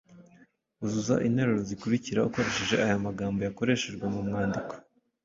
Uzuza interuro zikurikira ukoresheje aya magambo yakoreshejwe mu mwandiko